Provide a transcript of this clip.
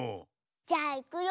じゃあいくよ。